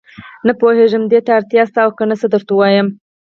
نه پوهېږم دې ته اړتیا شته او کنه چې څه درته ووايم.